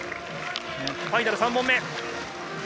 ファイナル３本目。